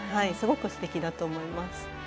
すごくすてきだと思います。